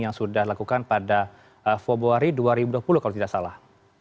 yang sudah dilakukan pada februari dua ribu dua puluh kalau tidak salah